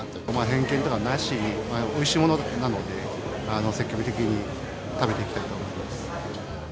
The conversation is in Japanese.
偏見とかなしに、おいしいものなので、積極的に食べていきたいと思います。